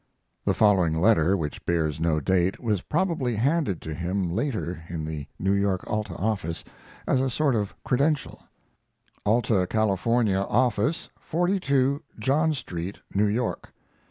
[The following letter, which bears no date, was probably handed to him later in the New York Alta office as a sort of credential: ALTA CALIFORNIA OFFICE, 42 JOHN STREET, NEW YORK.